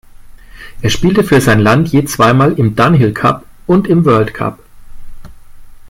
Er spielte für sein Land je zweimal im "Dunhill Cup" und im World Cup.